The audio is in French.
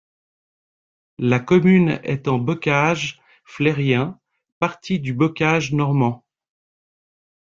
La commune est en Bocage flérien, partie du Bocage normand.